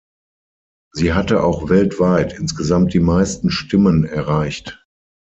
Sie hatte auch weltweit insgesamt die meisten Stimmen erreicht.